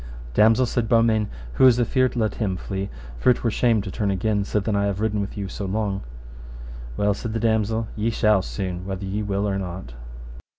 Damosel, said Beaumains, who is afeard let him flee, for it were shame to turn again sithen I have ridden so long with you. Well, said the damosel, ye shall soon, whether ye will or not.